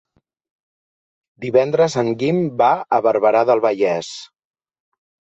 Divendres en Guim va a Barberà del Vallès.